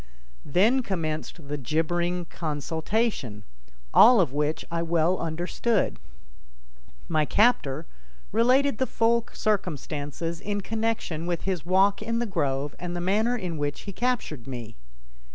Then commenced the jibbering consultation, all of which I well understood. My captor related the full circumstances in connection with his walk in the grove and the manner in which he captured me.